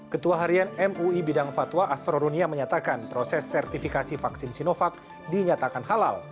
ketua harian mui bidang fatwa astro runia menyatakan proses sertifikasi vaksin sinovac dinyatakan halal